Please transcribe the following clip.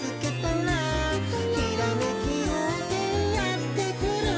「ひらめきようせいやってくる」